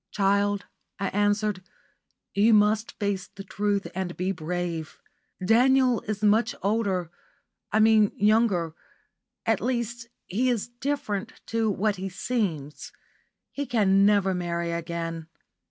"Child," I answered, "you must face the truth and be brave. Daniel is much older I mean younger at least, he is different to what he seems. He can never marry again.